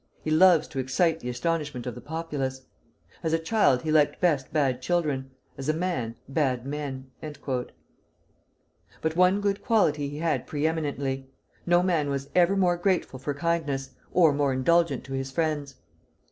he loves to excite the astonishment of the populace. As a child he liked best bad children, as a man, bad men." But one good quality he had pre eminently, no man was ever more grateful for kindness, or more indulgent to his friends.